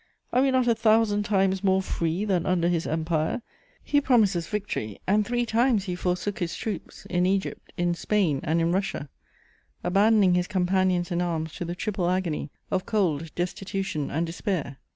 Are we not a thousand times more free than under his empire? He promises victory, and three times he forsook his troops, in Egypt, in Spain and in Russia, abandoning his companions in arms to the triple agony of cold, destitution and despair.